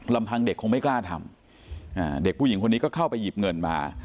ลำพังเด็กคงไม่กล้าทำเด็กผู้หญิงคนนี้ก็เข้าไปหยิบเงินมา